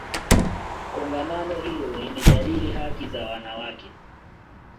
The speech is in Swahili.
kongamano hilo limejadili haki za wanawake